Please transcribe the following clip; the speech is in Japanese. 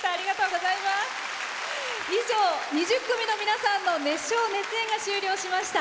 以上、２０組の皆さんの熱唱・熱演が終了しました。